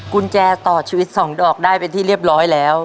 กุญแจต่อชีวิต๒ดอกได้เป็นที่เรียบร้อยแล้ว